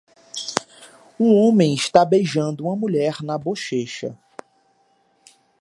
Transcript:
Um homem está beijando uma mulher na bochecha.